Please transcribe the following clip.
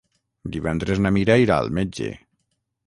Divendres na Mira irà al metge.